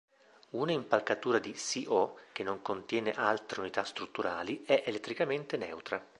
Una impalcatura di SiO che non contiene altre unità strutturali è elettricamente neutra.